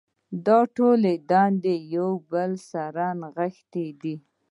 دا ټولې دندې یو له بل سره نغښتې دي.